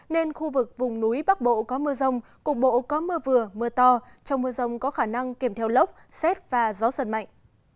nên khu vực vùng núi bắc bộ có mưa rông cục bộ có mưa vừa mưa to trong mưa rông có khả năng kiểm theo lốc xét và gió giật mạnh